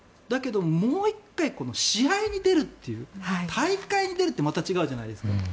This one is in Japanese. だけど、また試合に出るというのは大会に出るというのはまた違うじゃないですか。